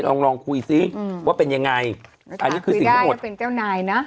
ลองลองคุยสิอืมว่าเป็นยังไงอันนี้คือสิ่งทั้งหมดคุยได้แล้วเป็นเจ้านายนะ